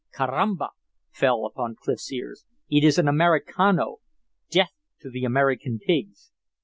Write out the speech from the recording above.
"Carramba!" fell upon Clif's ear. "It is an Americano! Death to the American pigs!"